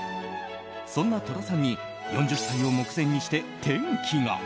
そんな戸田さんに４０歳を目前にして転機が。